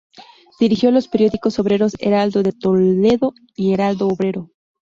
Dirigió los periódicos obreros "Heraldo de Toledo" y "Heraldo Obrero".